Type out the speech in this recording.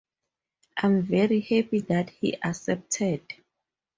I'm very happy that he accepted.